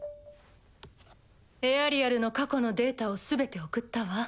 エアリアルの過去のデータを全て送ったわ。